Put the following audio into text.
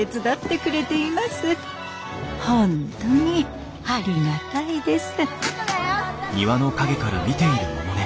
本当にありがたいです。